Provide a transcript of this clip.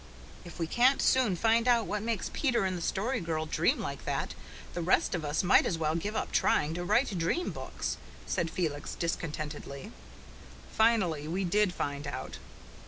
"If we can't soon find out what makes Peter and the Story Girl dream like that, the rest of us might as well give up trying to write dream books," said Felix discontentedly. Finally, we did find out.